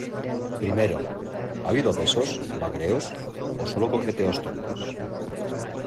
primero, ¿ ha habido besos , magreos o solo coqueteos tontos?